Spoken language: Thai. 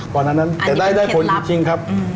ตอนนั้นแต่ได้ผลจริงครับ